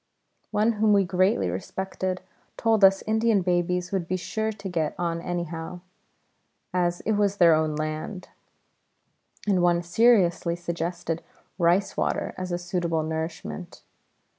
One whom we greatly respected told us Indian babies would be sure to get on anyhow, as it was their own land. And one seriously suggested rice water as a suitable nourishment.